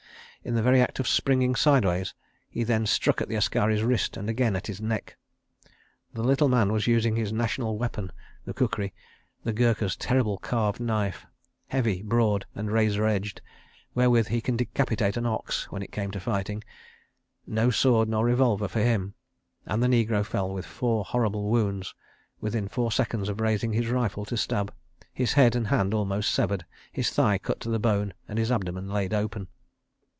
In the very act of springing sideways he then struck at the askari's wrist and again at his neck. The little man was using his national weapon (the kukri, the Gurkha's terrible carved knife, heavy, broad and razor edged, wherewith he can decapitate an ox) when it came to fighting—no sword nor revolver for him—and the negro fell, with four horrible wounds, within four seconds of raising his rifle to stab, his head and hand almost severed, his thigh cut to the bone and his abdomen laid open.